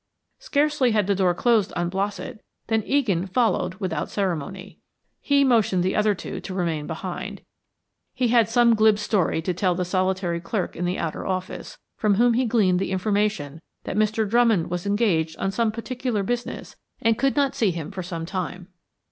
Scarcely had the door closed on Blossett than Egan followed without ceremony. He motioned the other two to remain behind; he had some glib story to tell the solitary clerk in the outer office, from whom he gleaned the information that Mr. Drummond was engaged on some particular business and could not see him for some time.